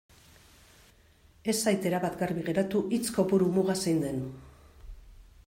Ez zait erabat garbi geratu hitz kopuru muga zein den.